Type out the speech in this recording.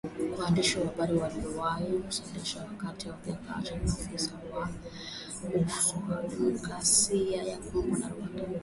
kwa waandishi wa habari waliwahi kuwasilishwa wakati wa kikao cha maafisa wa ujasusi kati ya Demokrasia ya Kongo na Rwanda